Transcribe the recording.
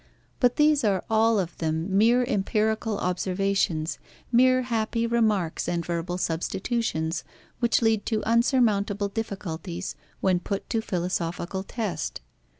But these are all of them mere empirical observations, mere happy remarks and verbal substitutions, which lead to unsurmountable difficulties when put to philosophical test.